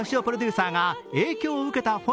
プロデューサーガ影響を受けた